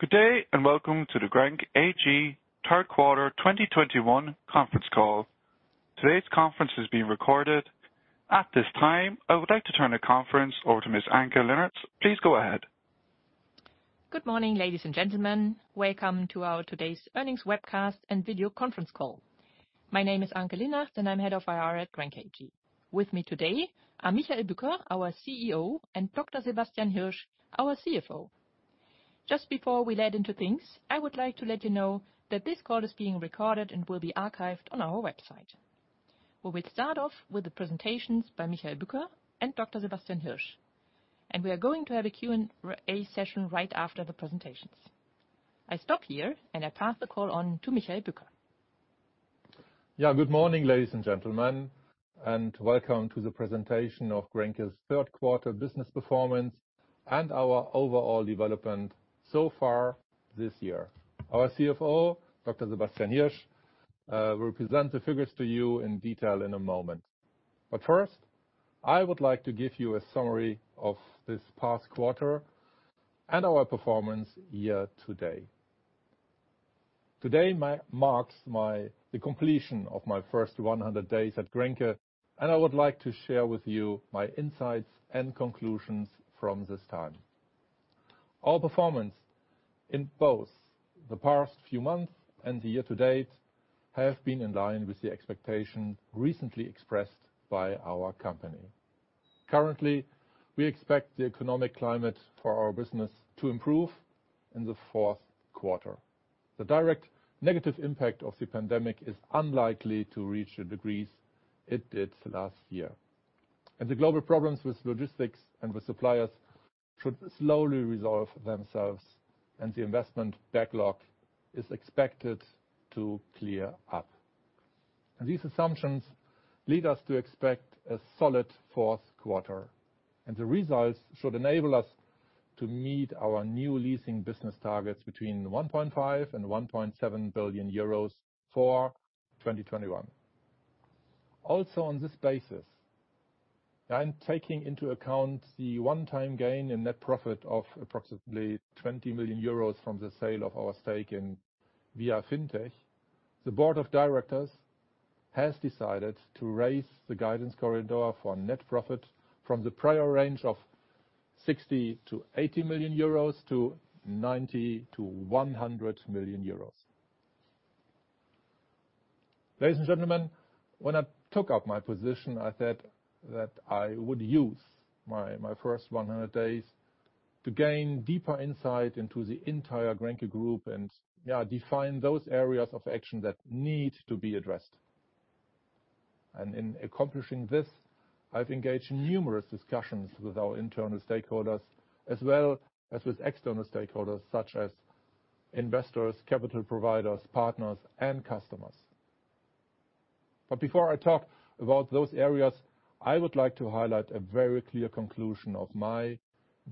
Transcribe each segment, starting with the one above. Good day, and welcome to the GRENKE AG third quarter 2021 conference call. Today's conference is being recorded. At this time, I would like to turn the conference over to Ms. Anke Linnartz. Please go ahead. Good morning, ladies and gentlemen. Welcome to our today's earnings webcast and video conference call. My name is Anke Linnartz, and I'm Head of IR at GRENKE AG. With me today are Michael Bücker, our CEO, and Dr. Sebastian Hirsch, our CFO. Just before we lead into things, I would like to let you know that this call is being recorded and will be archived on our website. We will start off with the presentations by Michael Bücker and Dr. Sebastian Hirsch, and we are going to have a Q&A session right after the presentations. I stop here, and I pass the call on to Michael Bücker. Yeah. Good morning, ladies and gentlemen, and welcome to the presentation of GRENKE's third quarter business performance and our overall development so far this year. Our CFO, Dr. Sebastian Hirsch, will present the figures to you in detail in a moment. First, I would like to give you a summary of this past quarter and our performance year to date. Today marks the completion of my first 100 days at GRENKE, and I would like to share with you my insights and conclusions from this time. Our performance in both the past few months and the year to date have been in line with the expectation recently expressed by our company. Currently, we expect the economic climate for our business to improve in the fourth quarter. The direct negative impact of the pandemic is unlikely to reach the degrees it did last year. The global problems with logistics and with suppliers should slowly resolve themselves, and the investment backlog is expected to clear up. These assumptions lead us to expect a solid fourth quarter, and the results should enable us to meet our new leasing business targets between 1.5 billion and 1.7 billion euros for 2021. Also, on this basis, and taking into account the one-time gain in net profit of approximately 20 million euros from the sale of our stake in viafintech, the board of directors has decided to raise the guidance corridor for net profit from the prior range of 60 million-80 million euros to 90 million-100 million euros. Ladies and gentlemen, when I took up my position, I said that I would use my first 100 days to gain deeper insight into the entire GRENKE group and, yeah, define those areas of action that need to be addressed. In accomplishing this, I've engaged in numerous discussions with our internal stakeholders as well as with external stakeholders such as investors, capital providers, partners, and customers. Before I talk about those areas, I would like to highlight a very clear conclusion of my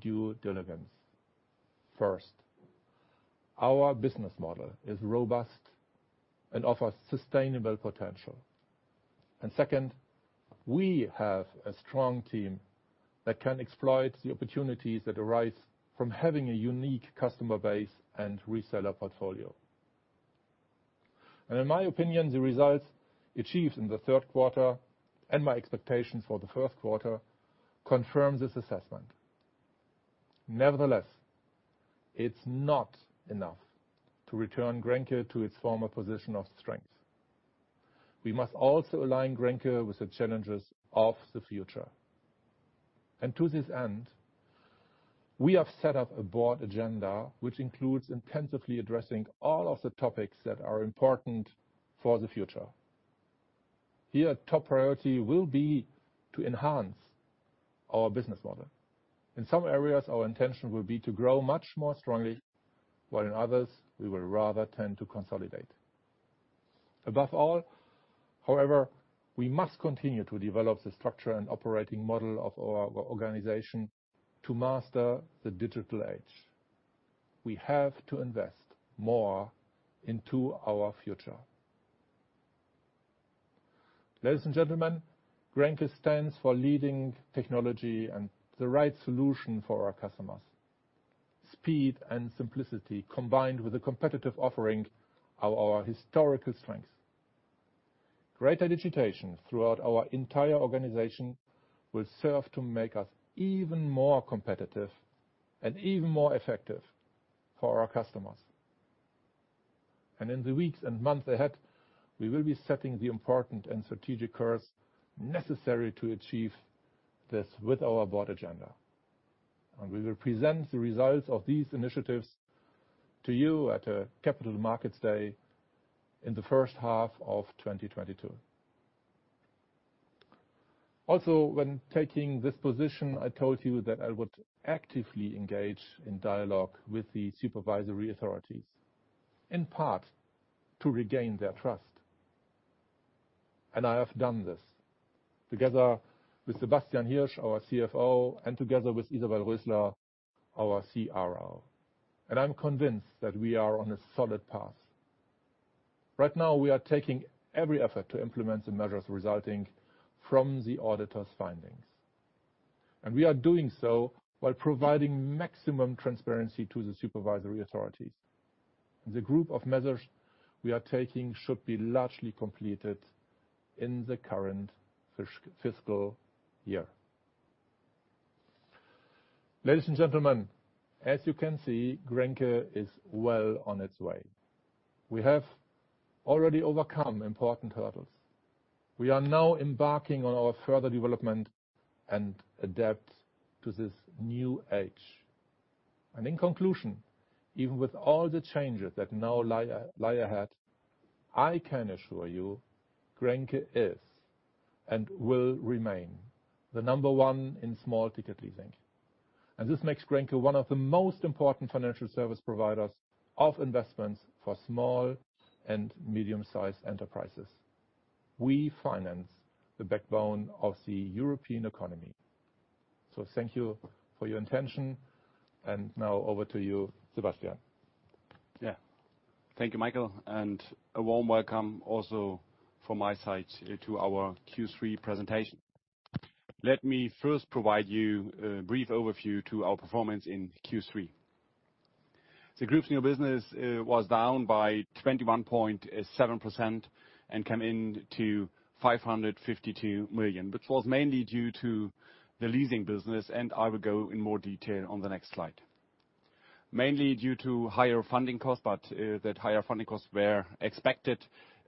due diligence. First, our business model is robust and offers sustainable potential. Second, we have a strong team that can exploit the opportunities that arise from having a unique customer base and reseller portfolio. In my opinion, the results achieved in the third quarter, and my expectations for the first quarter, confirm this assessment. Nevertheless, it's not enough to return GRENKE to its former position of strength. We must also align GRENKE with the challenges of the future. To this end, we have set up a board agenda which includes intensively addressing all of the topics that are important for the future. Here, top priority will be to enhance our business model. In some areas, our intention will be to grow much more strongly, while in others, we will rather tend to consolidate. Above all, however, we must continue to develop the structure and operating model of our organization to master the digital age. We have to invest more into our future. Ladies and gentlemen, GRENKE stands for leading technology and the right solution for our customers. Speed and simplicity combined with a competitive offering are our historical strengths. Greater digitization throughout our entire organization will serve to make us even more competitive and even more effective for our customers. In the weeks and months ahead, we will be setting the important and strategic course necessary to achieve this with our board agenda, and we will present the results of these initiatives to you at a Capital Markets Day in the first half of 2022. When taking this position, I told you that I would actively engage in dialogue with the supervisory authorities, in part to regain their trust, and I have done this together with Sebastian Hirsch, our CFO, and together with Isabel Rösler, our CRO. I'm convinced that we are on a solid path. Right now we are taking every effort to implement the measures resulting from the auditor's findings. We are doing so by providing maximum transparency to the supervisory authorities. The group of measures we are taking should be largely completed in the current fiscal year. Ladies and gentlemen, as you can see, Grenke is well on its way. We have already overcome important hurdles. We are now embarking on our further development and adapt to this new age. In conclusion, even with all the changes that now lie ahead, I can assure you Grenke is and will remain the number one in small-ticket leasing. This makes Grenke one of the most important financial service providers of investments for small and medium-sized enterprises. We finance the backbone of the European economy. Thank you for your attention, and now over to you, Sebastian. Yeah. Thank you, Michael, and a warm welcome also from my side to our Q3 presentation. Let me first provide you a brief overview of our performance in Q3. The group's new business was down by 21.7% and came in at 552 million, which was mainly due to the leasing business, and I will go in more detail on the next slide. Mainly due to higher funding costs, but that higher funding costs were expected,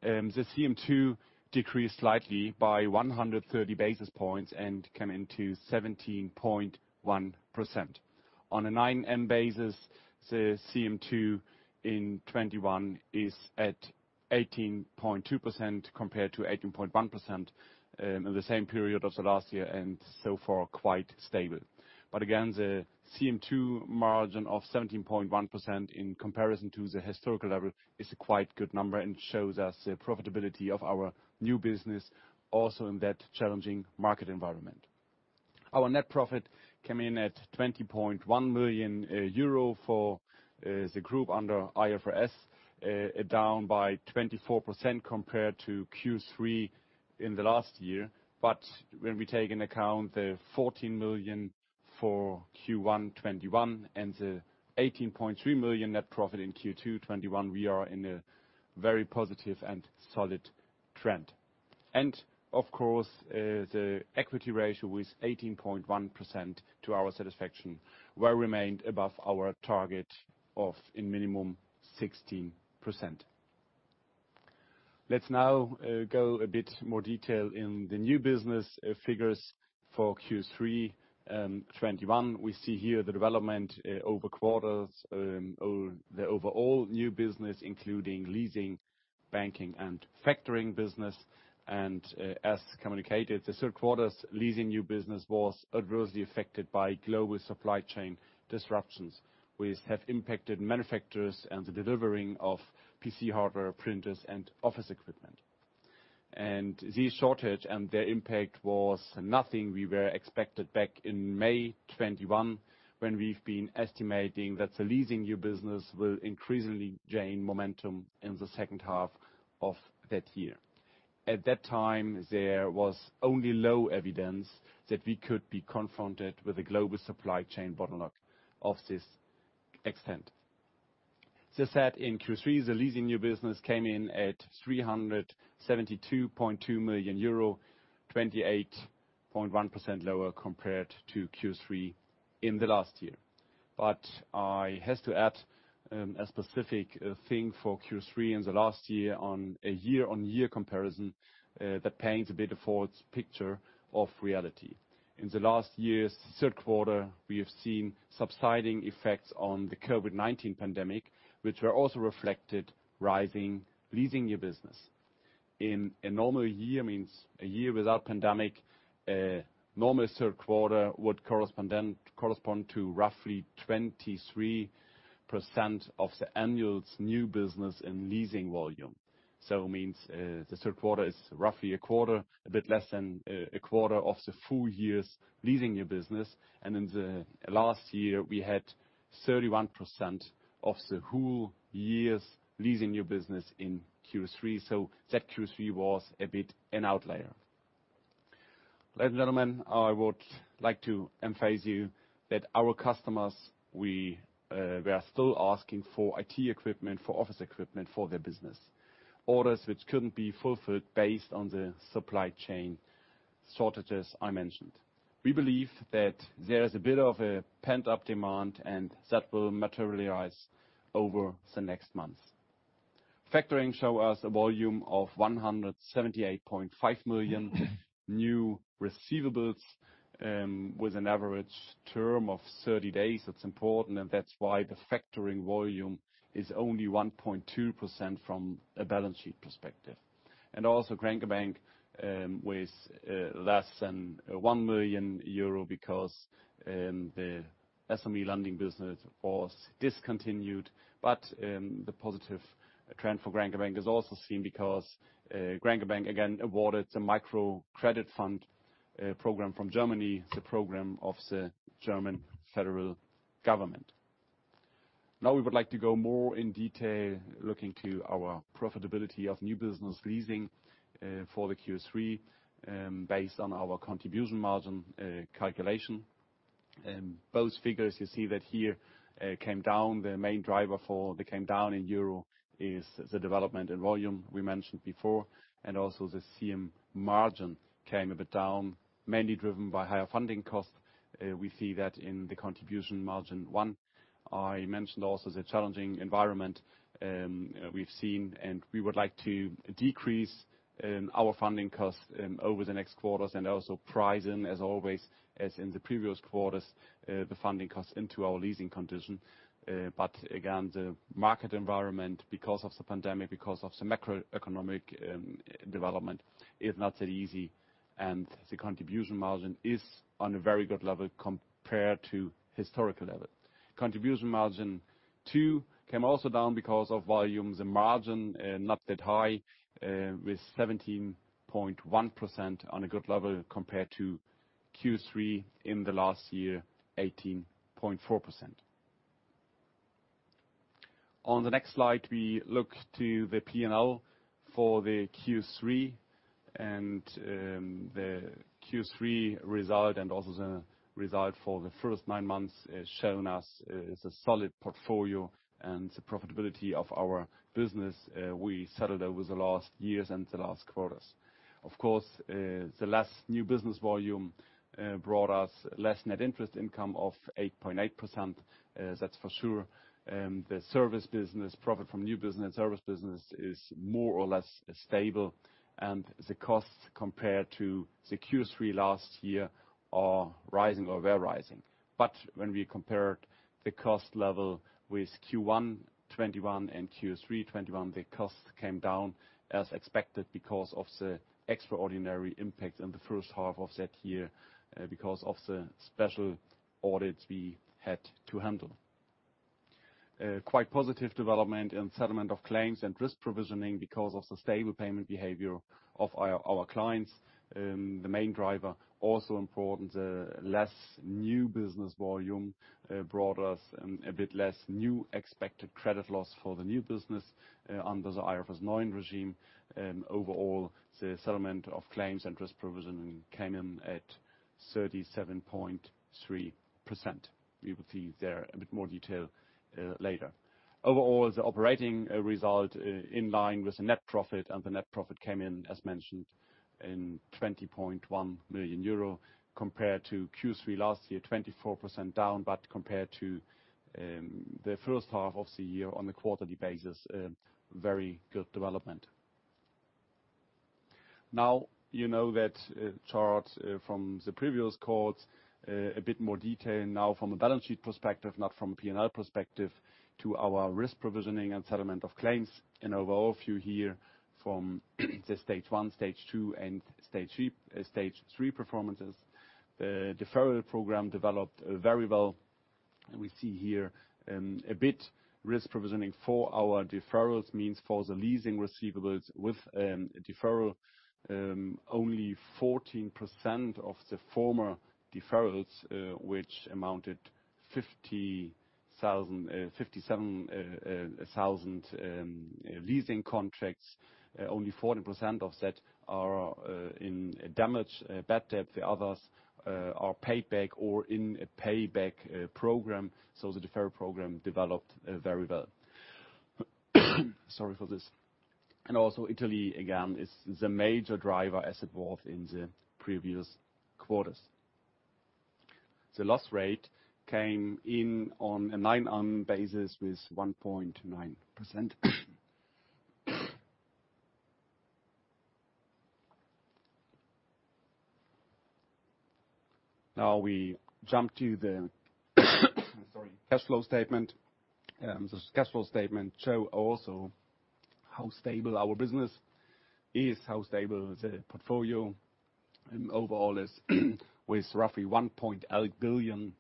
the CM2 decreased slightly by 130 basis points and came in at 17.1%. On a 9M basis, the CM2 in 2021 is at 18.2% compared to 18.1% in the same period of the last year, and so far quite stable. Again, the CM2 margin of 17.1% in comparison to the historical level is a quite good number and shows us the profitability of our new business also in that challenging market environment. Our net profit came in at 20.1 million euro for the group under IFRS, down by 24% compared to Q3 in the last year. When we take into account the 14 million for Q1 2021 and the 18.3 million net profit in Q2 2021, we are in a very positive and solid trend. Of course, the equity ratio with 18.1% to our satisfaction well remained above our target of in minimum 16%. Let's now go into a bit more detail in the new business figures for Q3 2021. We see here the development over quarters the overall new business, including leasing, banking, and factoring business. As communicated, the third quarter's leasing new business was adversely affected by global supply chain disruptions which have impacted manufacturers and the delivery of PC hardware, printers, and office equipment. These shortages and their impact was nothing we expected back in May 2021 when we had been estimating that the leasing new business will increasingly gain momentum in the second half of that year. At that time, there was only low evidence that we could be confronted with a global supply chain bottleneck of this extent. In Q3, the leasing new business came in at 372.2 million euro, 28.1% lower compared to Q3 in the last year. I have to add a specific thing for Q3 in the last year on a year-on-year comparison that paints a bit of a false picture of reality. In the last year's third quarter, we have seen subsiding effects of the COVID-19 pandemic, which were also reflected in rising leasing new business. In a normal year, meaning a year without pandemic, a normal third quarter would correspond to roughly 23% of the annual's new business in leasing volume. Meaning, the third quarter is roughly a quarter, a bit less than a quarter of the full year's leasing new business. In the last year, we had 31% of the whole year's leasing new business in Q3. That Q3 was a bit of an outlier. Ladies and gentlemen, I would like to emphasize to you that our customers are still asking for IT equipment, for office equipment for their business, orders which couldn't be fulfilled based on the supply chain shortages I mentioned. We believe that there is a bit of a pent-up demand, and that will materialize over the next month. Factoring shows us a volume of 178.5 million new receivables with an average term of 30 days. That's important, and that's why the factoring volume is only 1.2% from a balance sheet perspective. Grenke Bank with less than 1 million euro because the SME lending business was discontinued. The positive trend for Grenke Bank is also seen because Grenke Bank again awarded the Mikrokreditfonds Deutschland program from Germany, the program of the German federal government. Now we would like to go more in detail looking to our profitability of new business leasing for the Q3, based on our contribution margin calculation. Both figures you see that here came down. The main driver for the came down in euro is the development in volume we mentioned before, and also the CM1 margin came a bit down, mainly driven by higher funding costs. We see that in the contribution margin one. I mentioned also the challenging environment we've seen, and we would like to decrease our funding costs over the next quarters and also price in as always as in the previous quarters the funding costs into our leasing condition. But again, the market environment, because of the pandemic, because of the macroeconomic development, is not that easy, and the contribution margin is on a very good level compared to historical level. Contribution margin two came also down because of volume. The margin not that high with 17.1% on a good level compared to Q3 in the last year, 18.4%. On the next slide, we look to the P&L for the Q3 and the Q3 result and also the result for the first nine months is showing us a solid portfolio and the profitability of our business we settled over the last years and the last quarters. Of course, the last new business volume brought us less net interest income of 8.8%. That's for sure. The service business profit from new business service business is more or less stable, and the costs compared to the Q3 last year are rising or were rising. When we compared the cost level with Q1 2021 and Q3 2021, the cost came down as expected because of the extraordinary impact in the first half of that year because of the special audits we had to handle. Quite positive development in settlement of claims and risk provisioning because of the stable payment behavior of our clients. The main driver also important, less new business volume brought us a bit less new expected credit loss for the new business under the IFRS 9 regime. Overall, the settlement of claims and risk provisioning came in at 37.3%. We will see there a bit more detail later. Overall, the operating result in line with the net profit, and the net profit came in as mentioned in 20.1 million euro compared to Q3 last year, 24% down, but compared to the first half of the year on a quarterly basis, very good development. Now, you know that chart from the previous calls, a bit more detail now from a balance sheet perspective, not from a P&L perspective, to our risk provisioning and settlement of claims. An overall view here from Stage one, Stage two, and Stage three performances. Deferral program developed very well. We see here a bit risk provisioning for our deferrals means for the leasing receivables with a deferral, only 14% of the former deferrals, which amounted to 57,000 leasing contracts. Only 14% of that are in default, bad debt. The others are paid back or in a payback program. Deferral program developed very well. Sorry for this. Also Italy again is the major driver as in the previous quarters. The loss rate came in on a nine-month basis with 1.9%. Now we jump to the cash flow statement. The cash flow statement show also how stable our business is, how stable the portfolio and overall is with roughly 1.8 billion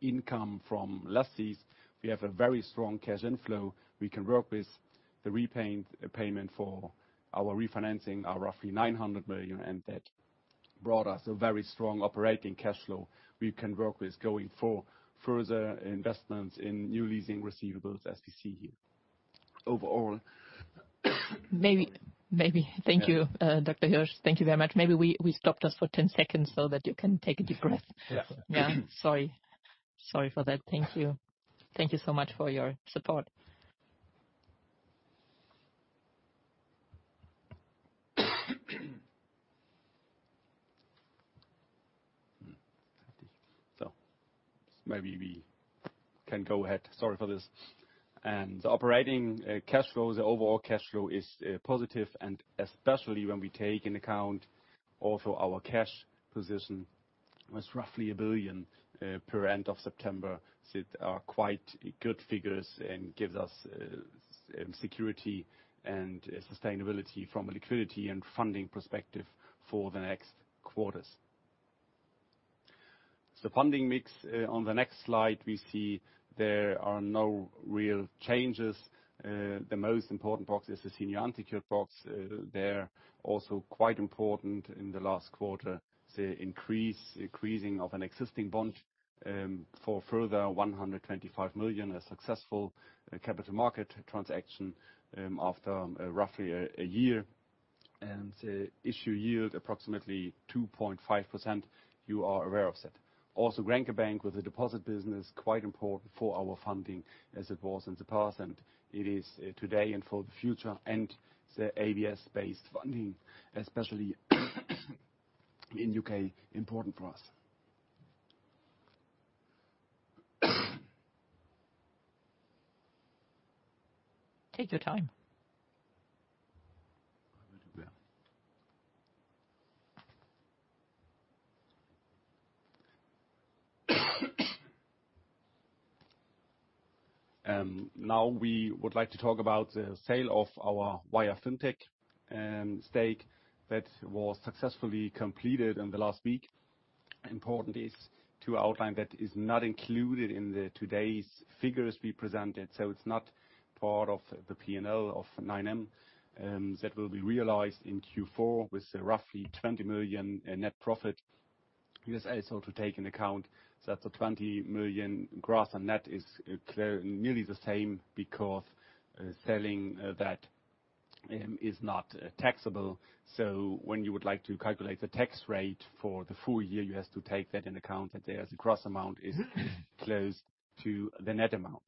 income from leases. We have a very strong cash inflow. We can work with the repayment payment for our refinancing are roughly 900 million, and that brought us a very strong operating cash flow we can work with going for further investments in new leasing receivables as we see here. Overall. Maybe, maybe. Thank you, Dr. Hirsch. Thank you very much. Maybe we stopped us for 10 seconds so that you can take a deep breath. Yeah. Yeah. Sorry for that. Thank you so much for your support. Maybe we can go ahead. Sorry for this. The operating cash flow, the overall cash flow is positive, and especially when we take into account also our cash position was roughly 1 billion per end of September. It quite good figures and gives us security and sustainability from a liquidity and funding perspective for the next quarters. The funding mix on the next slide, we see there are no real changes. The most important box is the senior unsecured box. There also quite important in the last quarter, the increasing of an existing bond for further 125 million, a successful capital market transaction after roughly a year. Issue yield approximately 2.5%, you are aware of that. Also, Grenke Bank with the deposit business, quite important for our funding as it was in the past and it is today and for the future. The ABS-based funding, especially in U.K., important for us. Take your time. Now we would like to talk about the sale of our viafintech stake that was successfully completed in the last week. Important is to outline that it is not included in today's figures we presented, so it's not part of the P&L of 9 million. That will be realized in Q4 with roughly 20 million in net profit. You guys also have to take into account that the 20 million gross and net is nearly the same because selling that is not taxable. When you would like to calculate the tax rate for the full year, you have to take that into account, that the gross amount is close to the net amount.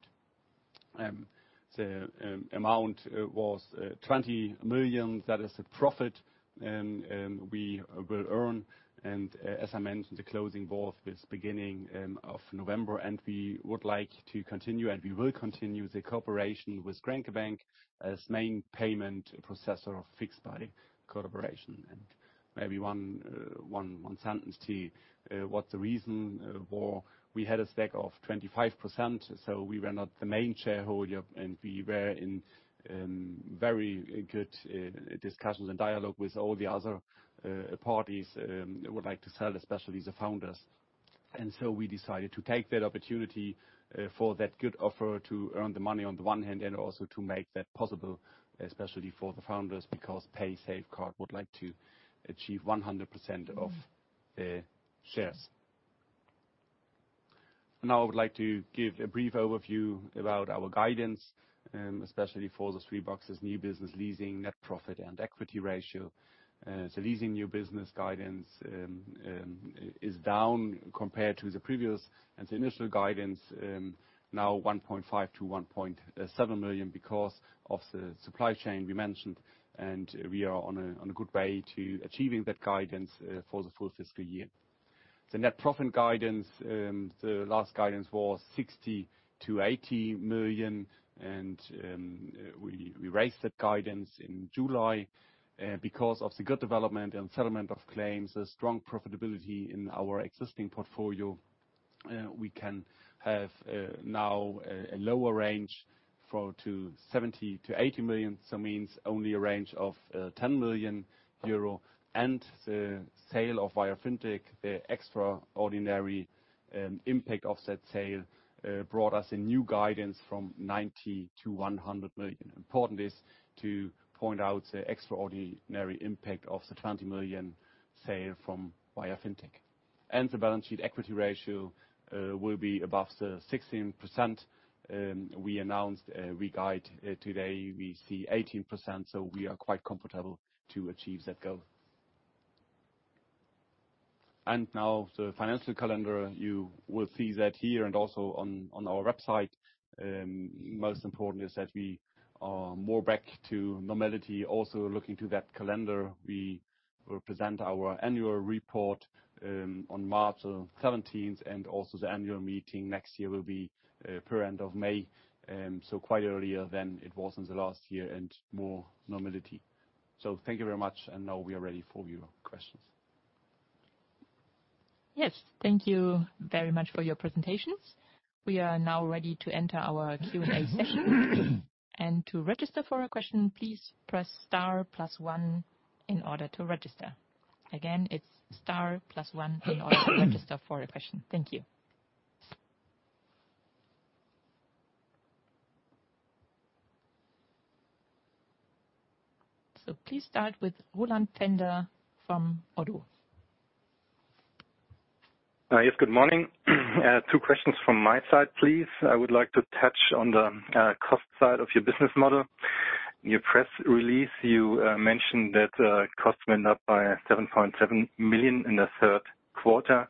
The amount was 20 million. That is the profit we will earn. As I mentioned, the closing, this beginning of November. We would like to continue, and we will continue the cooperation with Grenke Bank as main payment processor of viafintech collaboration. Maybe one sentence to what the reason for. We had a stake of 25%, so we were not the main shareholder and we were in very good discussions and dialogue with all the other parties that would like to sell, especially the founders. We decided to take that opportunity for that good offer to earn the money on the one hand and also to make that possible, especially for the founders, because paysafecard would like to achieve 100% of the shares. Now I would like to give a brief overview about our guidance, especially for the three boxes: new business, leasing, net profit and equity ratio. Leasing new business guidance is down compared to the previous. The initial guidance now 1.5 to 1.7 million because of the supply chain we mentioned, and we are on a good way to achieving that guidance for the full fiscal year. The net profit guidance, the last guidance was 60 million-80 million, and we raised that guidance in July because of the good development and settlement of claims, the strong profitability in our existing portfolio, we can have now a lower range to 70 million-80 million. Means only a range of 10 million euro. The sale of viafintech, the extraordinary impact of that sale, brought us a new guidance from 90 million to 100 million. Important is to point out the extraordinary impact of the 20 million sale from viafintech. The balance sheet equity ratio will be above the 16% we announced. We guide, today we see 18%, so we are quite comfortable to achieve that goal. Now the financial calendar. You will see that here and also on our website. Most important is that we are more back to normality. Also looking to that calendar, we will present our annual report on March 17th. Also the annual meeting next year will be prior end of May, so quite earlier than it was in the last year and more normality. Thank you very much. Now we are ready for your questions. Yes, thank you very much for your presentations. We are now ready to enter our Q&A session. To register for a question, please press star plus one in order to register. Again, it's star plus one in order to register for a question. Thank you. Please start with Roland Pfänder from Oddo BHF. Yes. Good morning. Two questions from my side, please. I would like to touch on the cost side of your business model. In your press release you mentioned that costs went up by 7.7 million in the third quarter.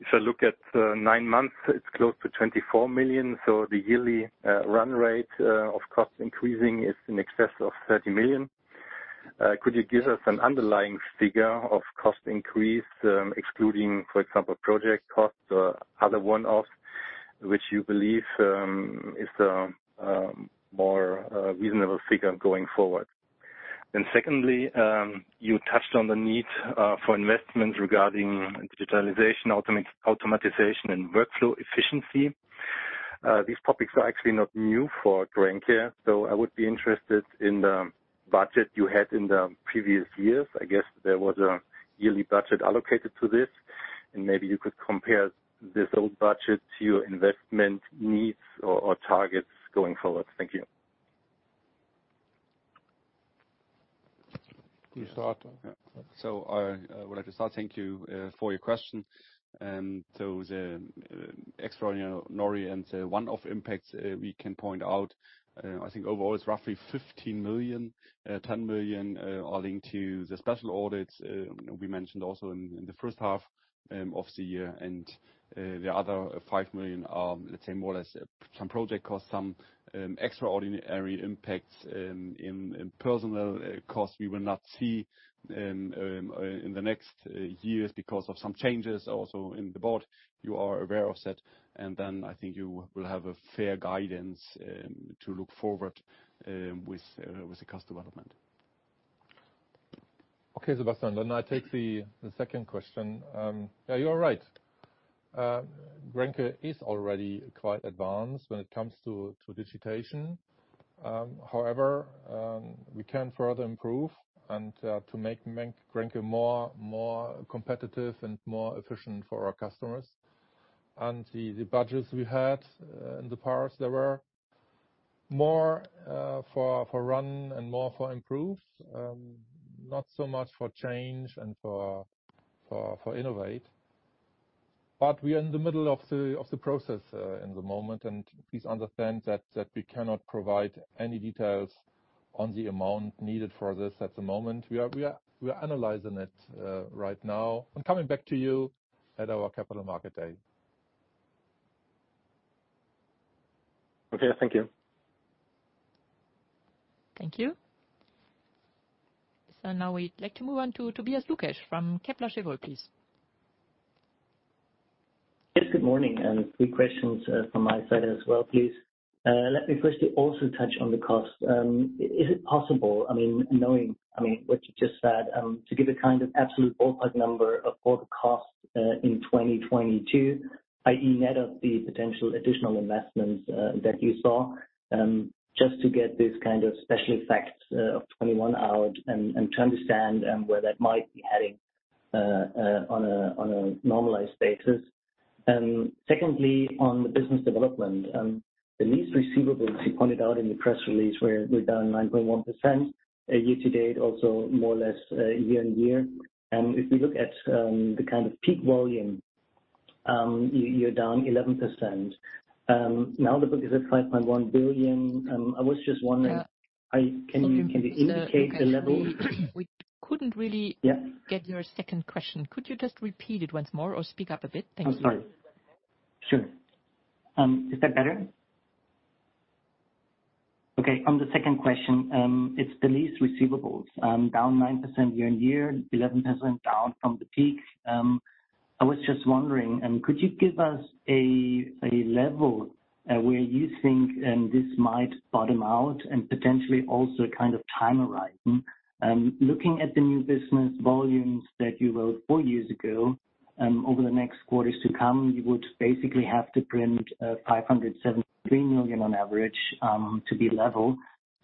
If I look at nine months, it's close to 24 million. The yearly run rate of costs increasing is in excess of 30 million. Could you give us an underlying figure of cost increase, excluding, for example, project costs or other one-offs which you believe is the more reasonable figure going forward? Secondly, you touched on the need for investment regarding digitalization, automation and workflow efficiency. These topics are actually not new for Grenke, so I would be interested in the budget you had in the previous years. I guess there was a yearly budget allocated to this, and maybe you could compare this old budget to your investment needs or targets going forward. Thank you. To start. Yeah. I would like to start. Thank you for your question. The extraordinary and the one-off impacts we can point out, I think overall it's roughly 15 million. 10 million are linked to the special audits we mentioned also in the first half of the year. The other 5 million are, let's say more or less, some project costs, some extraordinary impacts in personal costs we will not see in the next years because of some changes also in the board. You are aware of that. Then I think you will have a fair guidance to look forward with the cost development. Okay, Sebastian. I take the second question. Yeah, you are right. Grenke is already quite advanced when it comes to digitization. However, we can further improve and to make Grenke more competitive and more efficient for our customers. The budgets we had in the past, they were more for run and more for improve, not so much for change and for innovate. We are in the middle of the process in the moment, and please understand that we cannot provide any details on the amount needed for this at the moment. We are analyzing it right now, and coming back to you at our Capital Markets Day. Okay. Thank you. Thank you. Now we'd like to move on to Tobias Lukesch from Kepler Cheuvreux, please. Yes, good morning, and three questions from my side as well, please. Let me firstly also touch on the cost. Is it possible, I mean, knowing, I mean, what you just said, to give a kind of absolute ballpark number of all the costs in 2022, i.e. net of the potential additional investments that you saw? Just to get this kind of special effects of 2021 out and to understand where that might be heading on a normalized basis. Secondly, on the business development, the lease receivables you pointed out in the press release were down 9.1% year to date, also more or less year-on-year. If you look at the kind of peak volume, you're down 11%. Now the book is at 5.1 billion. I was just wondering. Yeah. Can you indicate the level? We couldn't really. Yeah. Get your second question. Could you just repeat it once more or speak up a bit? Thank you. I'm sorry. Sure. Is that better? Okay. On the second question, it's the lease receivables, down 9% year-over-year, 11% down from the peak. I was just wondering, could you give us a level where you think this might bottom out and potentially also kind of time horizon? Looking at the new business volumes that you wrote four years ago, over the next quarters to come, you would basically have to print 573 million on average to be level.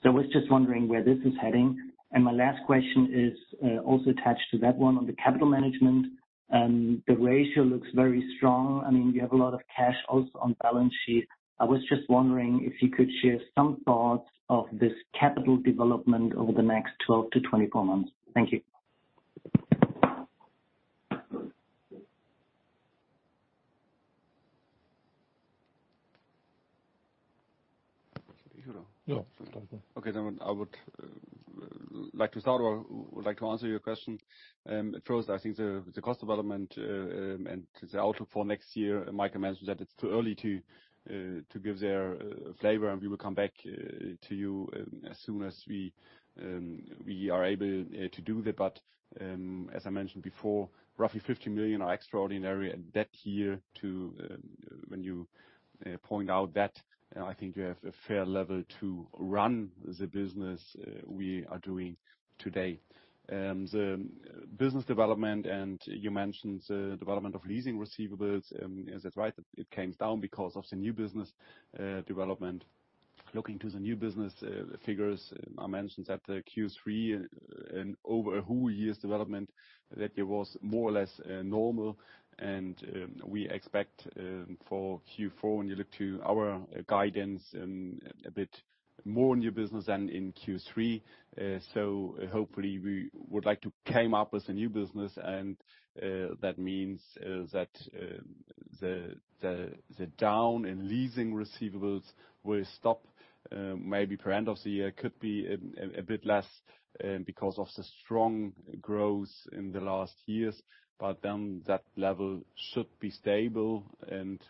So I was just wondering where this is heading. My last question is also attached to that one on the capital management. The ratio looks very strong. I mean, you have a lot of cash also on balance sheet. I was just wondering if you could share some thoughts on this capital development over the next 12-24 months. Thank you. No. Okay. I would like to answer your question. At first, I think the cost development and the outlook for next year, Michael mentioned that it's too early to give a flavor, and we will come back to you as soon as we are able to do that. As I mentioned before, roughly 50 million are extraordinary that year, too, when you point out that, I think, you have a fair level to run the business we are doing today. The business development, and you mentioned the development of leasing receivables, is that right? It came down because of the new business development. Looking to the new business figures, I mentioned that Q3 and over a whole year's development, that it was more or less normal. We expect for Q4, when you look to our guidance, a bit more new business than in Q3. So hopefully we would like to came up with a new business, and that means that the down in leasing receivables will stop, maybe per end of the year. Could be a bit less because of the strong growth in the last years. Then that level should be stable.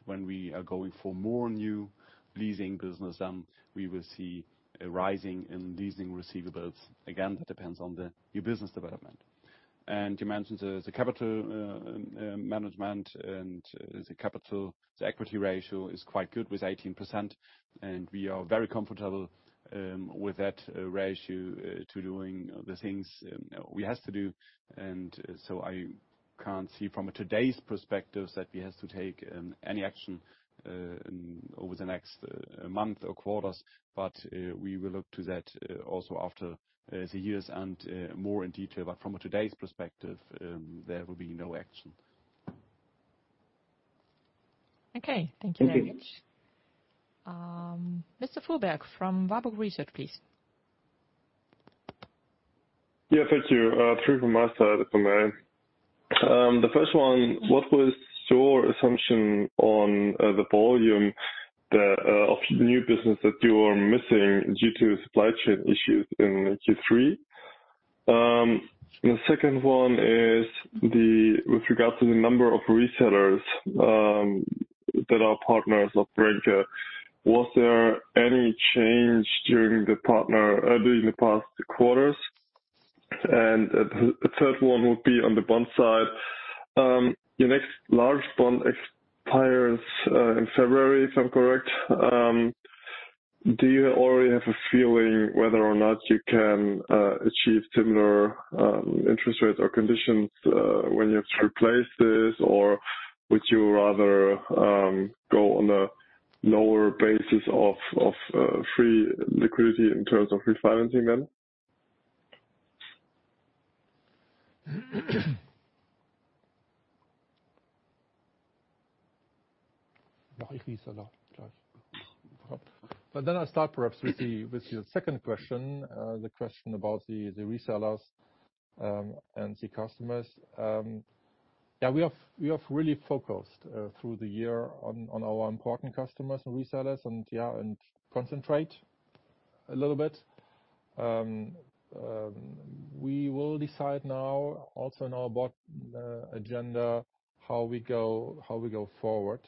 When we are going for more new leasing business, then we will see a rising in leasing receivables. Again, that depends on the new business development. You mentioned the capital management and the equity ratio is quite good with 18%, and we are very comfortable with that ratio to doing the things we has to do. I can't see from today's perspectives that we has to take any action over the next month or quarters. We will look to that also after the years and more in detail. From today's perspective, there will be no action. Okay. Thank you very much. Mr. Fuhrberg from Warburg Research, please. Yeah, thank you. Three from my side, if I may. The first one, what was your assumption on the volume that of new business that you are missing due to supply chain issues in Q3? The second one is with regards to the number of resellers that are partners of Grenke, was there any change during the past quarters? The third one would be on the bond side. Your next large bond expires in February, if I'm correct. Do you already have a feeling whether or not you can achieve similar interest rates or conditions when you have to replace this? Or would you rather go on a lower basis of free liquidity in terms of refinancing then? I start perhaps with your second question, the question about the resellers and the customers. Yeah, we have really focused through the year on our important customers and resellers and concentrate a little bit. We will decide now also in our board agenda, how we go forward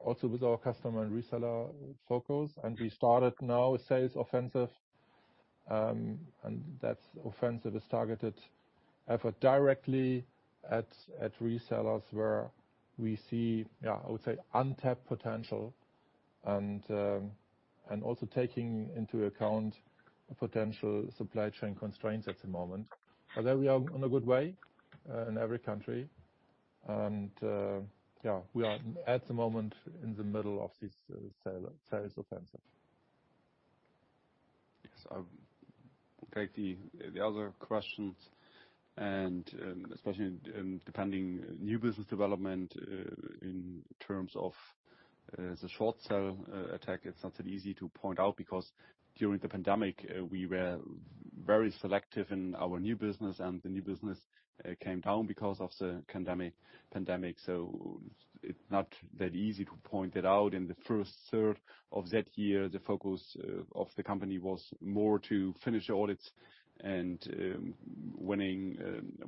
also with our customer and reseller focus. We started now a sales offensive, and that offensive is targeted directly at resellers where we see I would say untapped potential and also taking into account potential supply chain constraints at the moment. There we are on a good way in every country. Yeah, we are at the moment in the middle of this sales offensive. Yes. I'll take the other questions and especially depending on new business development in terms of the short seller attack. It's not that easy to point out because during the pandemic we were very selective in our new business, and the new business came down because of the pandemic. It's not that easy to point it out. In the first third of that year, the focus of the company was more to finish audits and bringing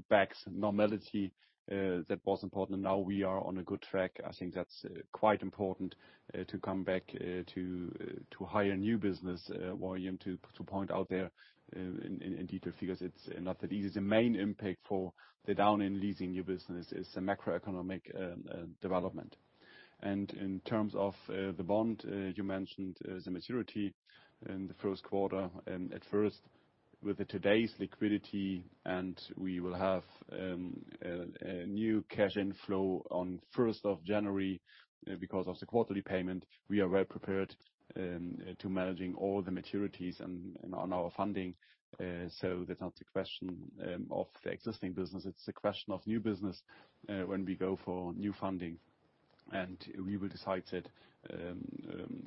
back normality. That was important. Now we are on a good track. I think that's quite important to come back to higher new business volume, to point out the figures in detail. It's not that easy. The main impact for the downturn in leasing new business is the macroeconomic development. In terms of the bond you mentioned the maturity in the first quarter. At first, with today's liquidity and we will have a new cash inflow on first of January because of the quarterly payment. We are well prepared to managing all the maturities and on our funding. That's not the question of the existing business. It's the question of new business when we go for new funding. We will decide it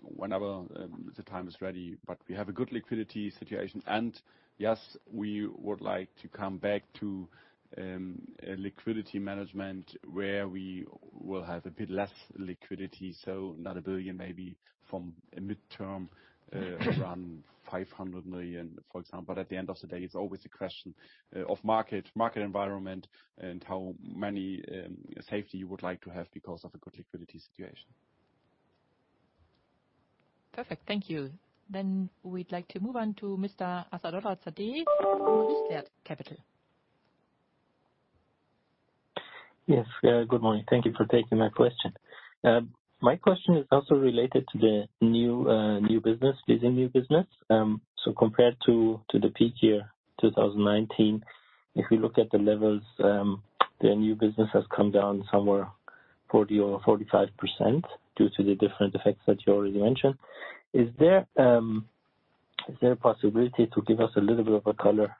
whenever the time is ready. But we have a good liquidity situation. Yes, we would like to come back to a liquidity management where we will have a bit less liquidity, so not 1 billion, maybe in the medium term around 500 million, for example. At the end of the day, it's always a question of market environment and how much safety you would like to have because of a good liquidity situation. Perfect. Thank you. We'd like to move on to Mr. Assadollah Sediqi of State Capital. Yes. Good morning. Thank you for taking my question. My question is also related to the new business, leasing new business. So compared to the peak year, 2019, if we look at the levels, the new business has come down somewhere 40% or 45% due to the different effects that you already mentioned. Is there a possibility to give us a little bit of a color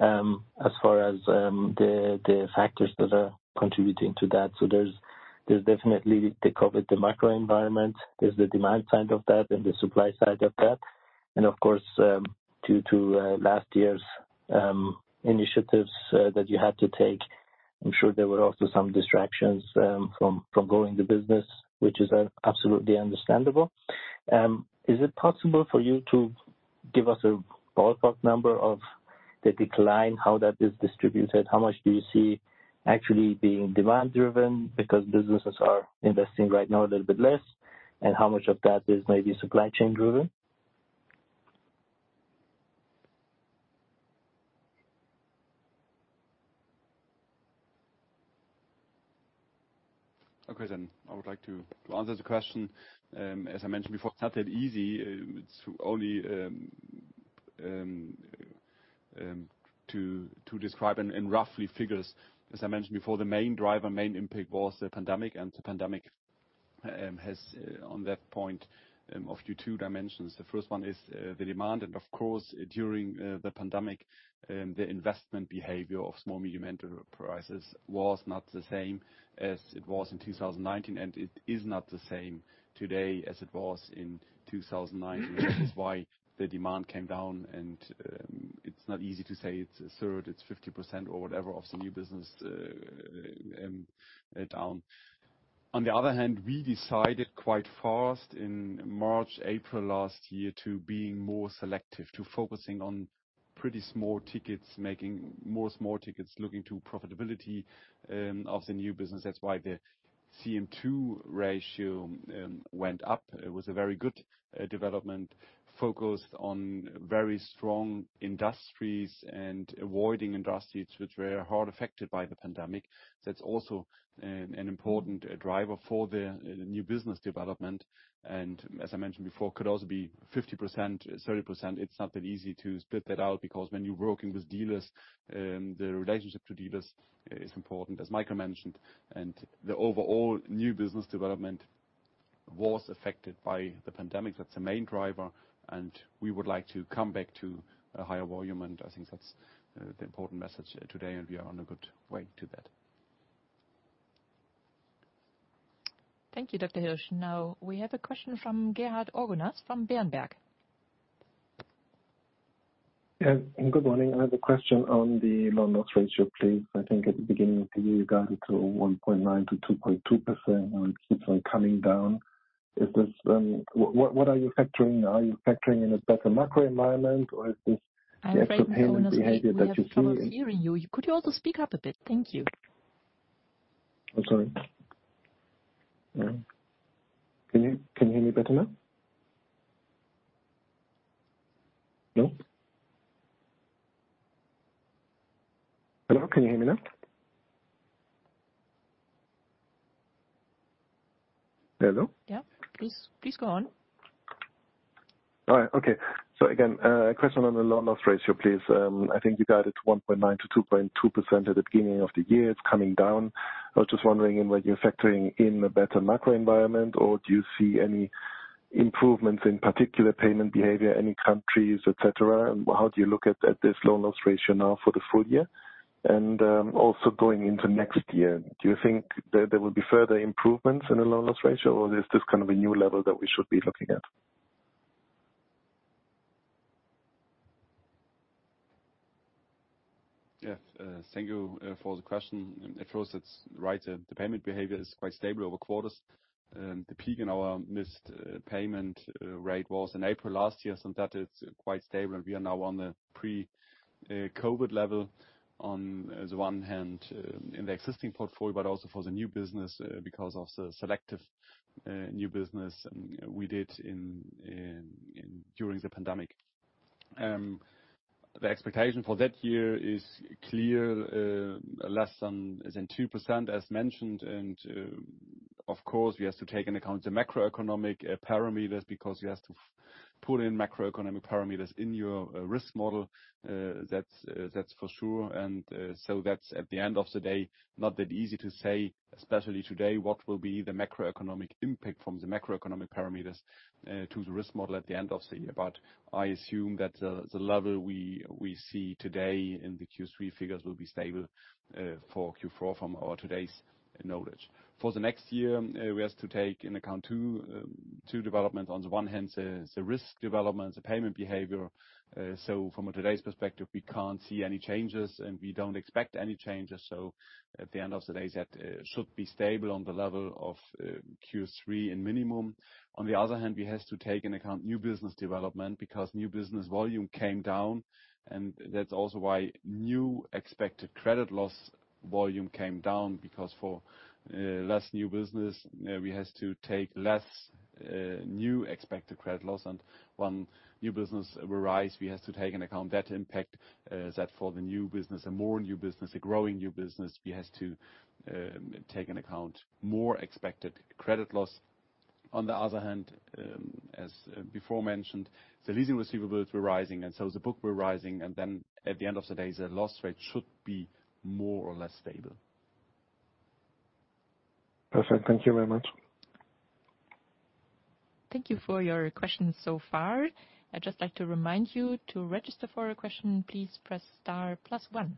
as far as the factors that are contributing to that? So there's definitely the COVID, the macro environment. There's the demand side of that and the supply side of that. Of course, due to last year's initiatives that you had to take, I'm sure there were also some distractions from growing the business, which is absolutely understandable. Is it possible for you to give us a ballpark number of the decline, how that is distributed? How much do you see actually being demand driven because businesses are investing right now a little bit less? How much of that is maybe supply chain driven? Okay. I would like to answer the question. As I mentioned before, it's not that easy. It's only to describe in roughly figures, as I mentioned before, the main driver, main impact was the pandemic, and the pandemic has on that point offered two dimensions. The first one is the demand. Of course, during the pandemic, the investment behavior of small, medium enterprises was not the same as it was in 2019, and it is not the same today as it was in 2019. Which is why the demand came down and it's not easy to say it's a third, it's 50% or whatever of the new business down. On the other hand, we decided quite fast in March, April last year to being more selective, to focusing on pretty small tickets, making more small tickets, looking to profitability of the new business. That's why the CM2 ratio went up. It was a very good development focused on very strong industries and avoiding industries which were hard-hit by the pandemic. That's also an important driver for the new business development, and as I mentioned before, could also be 50%, 30%. It's not that easy to split that out because when you're working with dealers, the relationship to dealers is important, as Michael mentioned. The overall new business development was affected by the pandemic. That's the main driver, and we would like to come back to a higher volume, and I think that's the important message today, and we are on a good way to that. Thank you, Dr. Hirsch. Now we have a question from Gerhard Orgonas from Berenberg. Yes, good morning. I have a question on the loan loss ratio, please. I think at the beginning of the year, you got it to 1.9%-2.2%, and it keeps on coming down. Is this what are you factoring? Are you factoring in a better macro environment, or is this different payment behavior that you see? I'm afraid, Orgonas, we have a problem hearing you. Could you also speak up a bit? Thank you. I'm sorry. Can you hear me better now? No? Hello, can you hear me now? Hello? Yeah. Please, go on. All right. Okay. Again, a question on the loan loss ratio, please. I think you got it to 1.9%-2.2% at the beginning of the year. It's coming down. I was just wondering whether you're factoring in a better macro environment, or do you see any improvements, in particular payment behavior, any countries, et cetera? How do you look at this loan loss ratio now for the full year? Also going into next year, do you think there will be further improvements in the loan loss ratio, or is this kind of a new level that we should be looking at? Yeah. Thank you for the question. At first, it's right, the payment behavior is quite stable over quarters. The peak in our missed payment rate was in April last year, so that is quite stable and we are now on the pre-COVID level on the one hand, in the existing portfolio, but also for the new business, because of the selective new business we did during the pandemic. The expectation for that year is clear, less than 2% as mentioned. Of course we have to take into account the macroeconomic parameters because we have to put in macroeconomic parameters in our risk model. That's for sure. That's at the end of the day not that easy to say, especially today, what will be the macroeconomic impact from the macroeconomic parameters to the risk model at the end of the year. I assume that the level we see today in the Q3 figures will be stable for Q4 from our today's knowledge. For the next year, we have to take into account two developments. On the one hand, the risk development, the payment behavior. From today's perspective, we can't see any changes, and we don't expect any changes. At the end of the day, that should be stable on the level of Q3 in minimum. On the other hand, we have to take into account new business development because new business volume came down, and that's also why new expected credit loss volume came down. Because for less new business, we have to take less new expected credit loss. When new business will rise, we have to take into account that impact, that for the new business and more new business, a growing new business, we have to take into account more expected credit loss. On the other hand, as before mentioned, the leasing receivables were rising and so the book were rising. Then at the end of the day, the loss rate should be more or less stable. Perfect. Thank you very much. Thank you for your questions so far. I'd just like to remind you to register for a question, please press star one.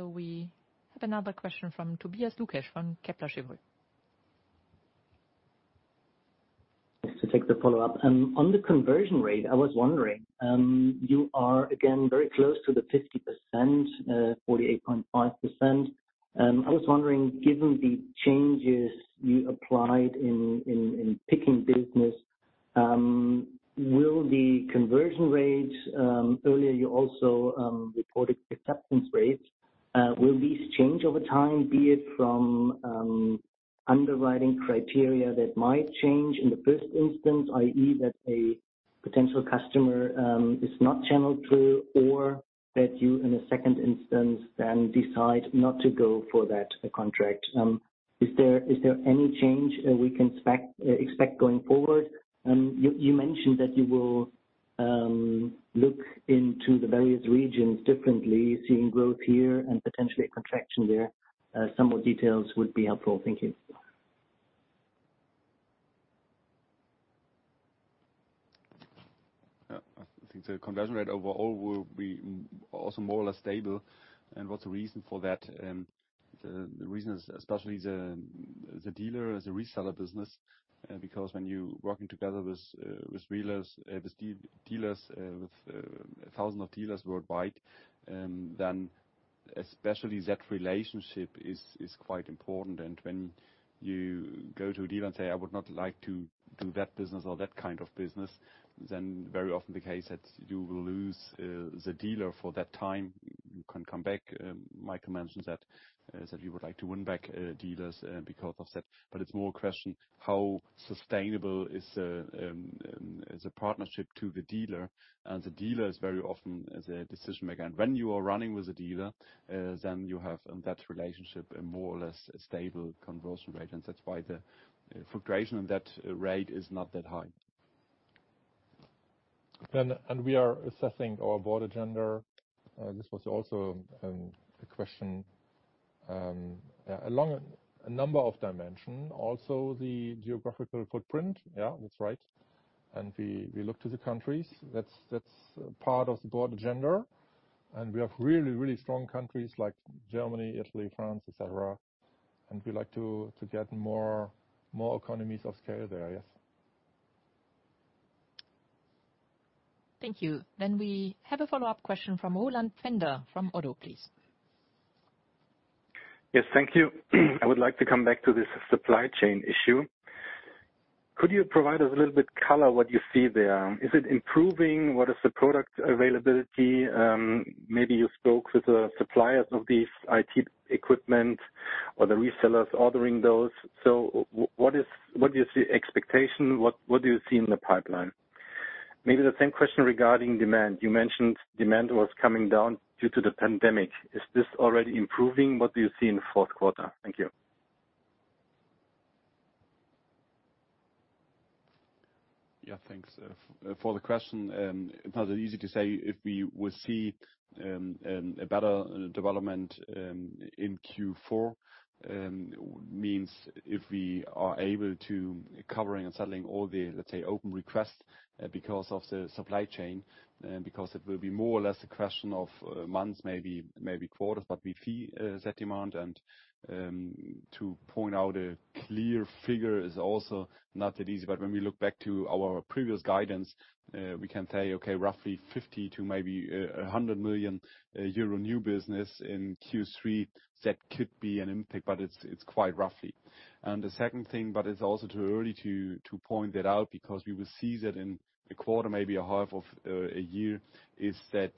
We have another question from Tobias Lukesch from Kepler Cheuvreux. Just to take the follow-up. On the conversion rate, I was wondering, you are again very close to the 50%, 48.5%. I was wondering, given the changes you applied in picking business, will the conversion rate, earlier you also reported acceptance rates, will these change over time, be it from underwriting criteria that might change in the first instance, i.e. that a potential customer is not channeled through or that you in a second instance then decide not to go for that contract. Is there any change we can expect going forward? You mentioned that you will look into the various regions differently, seeing growth here and potentially a contraction there. Some more details would be helpful. Thank you. Yeah. I think the conversion rate overall will be also more or less stable. What's the reason for that? The reason is especially the dealer is a reseller business, because when you working together with dealers, with thousands of dealers worldwide, then especially that relationship is quite important. When you go to a dealer and say, "I would not like to do that business or that kind of business," then very often the case that you will lose the dealer for that time. You can come back. Michael mentioned that we would like to win back dealers because of that. It's more a question how sustainable is the partnership to the dealer, and the dealer is very often the decision-maker. When you are running with the dealer, then you have in that relationship a more or less stable conversion rate. That's why the fluctuation in that rate is not that high. We are assessing our board agenda. This was also a question. Yeah, along a number of dimensions, also the geographical footprint. Yeah, that's right. We look to the countries. That's part of the board agenda. We have really strong countries like Germany, Italy, France, et cetera, and we like to get more economies of scale there, yes. Thank you. We have a follow-up question from Roland Pfänder from Oddo, please. Yes. Thank you. I would like to come back to this supply chain issue. Could you provide us a little bit color what you see there? Is it improving? What is the product availability? Maybe you spoke with the suppliers of these IT equipment or the resellers ordering those. What is the expectation? What do you see in the pipeline? Maybe the same question regarding demand. You mentioned demand was coming down due to the pandemic. Is this already improving? What do you see in the fourth quarter? Thank you. Yeah. Thanks for the question. It's not that easy to say if we will see a better development in Q4. Means if we are able to cover and settle all the, let's say, open requests because of the supply chain, because it will be more or less a question of months, maybe quarters, but we feel that demand. To point out a clear figure is also not that easy. When we look back to our previous guidance, we can say, okay, roughly 50 million to maybe 100 million euro new business in Q3, that could be an impact, but it's quite roughly. The second thing, but it's also too early to point that out because we will see that in a quarter, maybe a half of a year, is that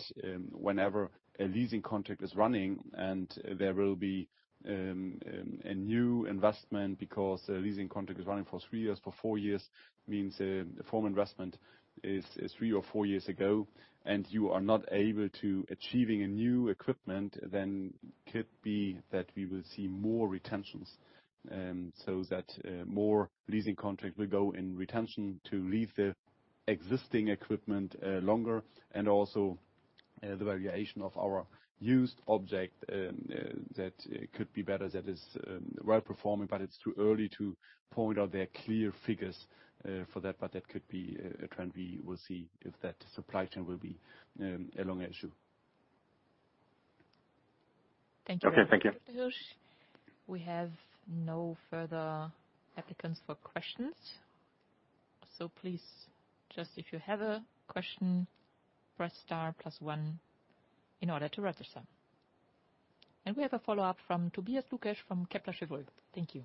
whenever a leasing contract is running and there will be a new investment because a leasing contract is running for three years, for four years, means the former investment is three or four years ago, and you are not able to achieving a new equipment, then could be that we will see more retentions. More leasing contracts will go in retention to leave the existing equipment longer and also the valuation of our used object that could be better. That is well-performing, but it's too early to point out the clear figures for that. That could be a trend we will see if that supply chain will be a long issue. Okay. Thank you. Thank you, Dr. Hirsch. We have no further applicants for questions. Please, just if you have a question, press star plus one in order to register. We have a follow-up from Tobias Lukesch from Kepler Cheuvreux. Thank you.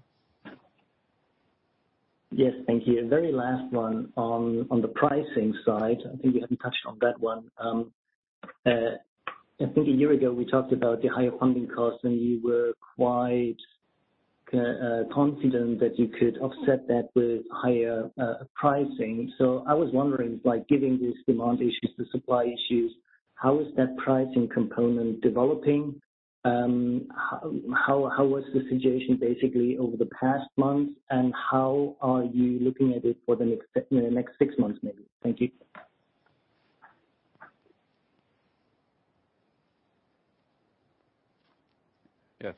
Yes. Thank you. Very last one on the pricing side. I think you haven't touched on that one. I think a year ago we talked about the higher funding costs, and you were quite confident that you could offset that with higher pricing. I was wondering, like, given these demand issues, the supply issues, how is that pricing component developing? How was the situation basically over the past months, and how are you looking at it for the next six months maybe? Thank you. Yes.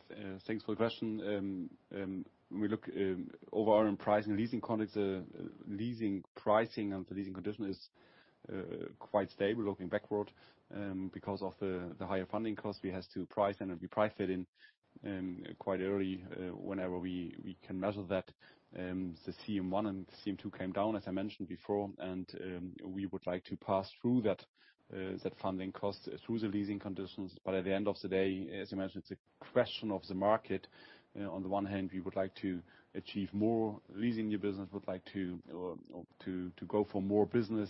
Thanks for the question. When we look overall in pricing and leasing contracts, leasing pricing and the leasing condition is quite stable looking backward, because of the higher funding costs we has to price and we price it in quite early, whenever we can measure that. The CM1 and CM2 came down, as I mentioned before, and we would like to pass through that funding cost through the leasing conditions. At the end of the day, as I mentioned, it's a question of the market. On the one hand, we would like to achieve more leasing new business. We would like to or to go for more business.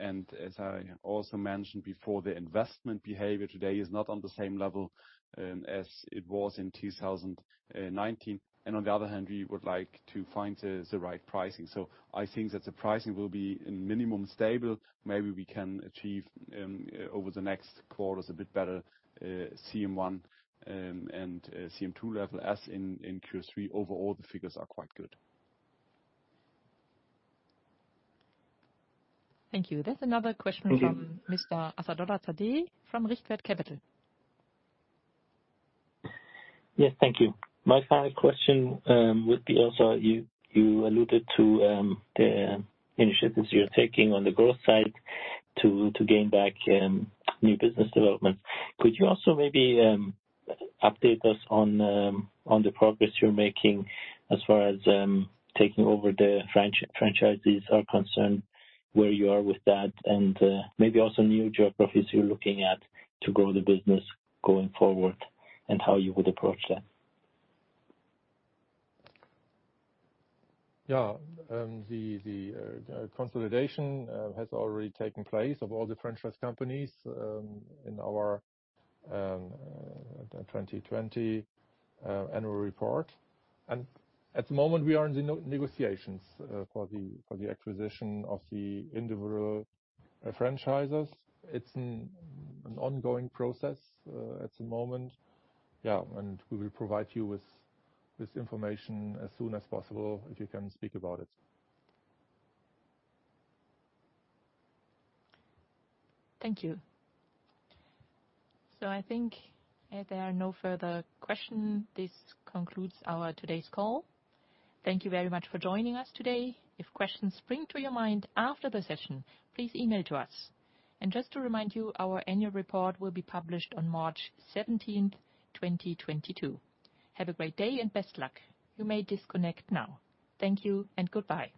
As I also mentioned before, the investment behavior today is not on the same level as it was in 2019. On the other hand, we would like to find the right pricing. I think that the pricing will be in minimum stable. Maybe we can achieve over the next quarters a bit better CM1 and CM2 level as in Q3. Overall, the figures are quite good. Thank you. There's another question from Mr. Assadollah Sadegh from. [inaudible] Yes, thank you. My final question would be also you alluded to the initiatives you're taking on the growth side to gain back new business development. Could you also maybe update us on the progress you're making as far as taking over the franchisees are concerned, where you are with that, and maybe also new geographies you're looking at to grow the business going forward and how you would approach that? Yeah. The consolidation has already taken place of all the franchise companies in our 2020 annual report. At the moment we are in negotiations for the acquisition of the individual franchisers. It's an ongoing process at the moment. Yeah, we will provide you with information as soon as possible if we can speak about it. Thank you. I think if there are no further question, this concludes our today's call. Thank you very much for joining us today. If questions spring to your mind after the session, please email to us. Just to remind you, our annual report will be published on March 17, 2022. Have a great day and best luck. You may disconnect now. Thank you and goodbye.